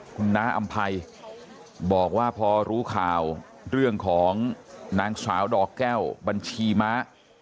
คุณน้าอำภัยบอกว่าพอรู้ข่าวเรื่องของนางสาวดอกแก้วบัญชีม้า